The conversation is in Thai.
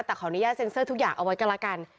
แต่ขออนุญาตเซ็นเซอร์ทุกอย่างเอาไว้ก็แล้วกัน